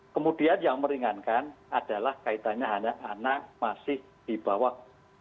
kemudian yang meringankan adalah kaitannya anak masih di bawah